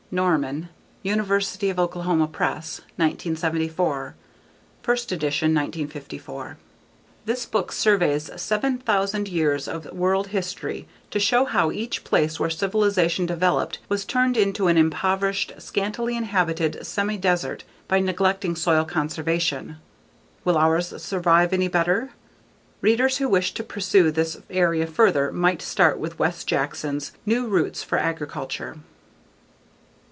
_Norman: University of Oklahoma Press, 1974. (first edition, 1954) This book surveys seven thousand years of world history to show how each place where civilization developed was turned into an impoverished, scantily inhabited semi desert by neglecting soil conservation. Will ours' survive any better? Readers who wish to pursue this area further might start with Wes Jackson's _New Roots for Agriculture.